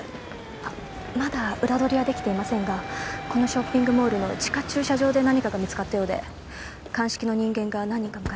あっまだ裏取りはできていませんがこのショッピングモールの地下駐車場で何かが見つかったようで鑑識の人間が何人か向かいました。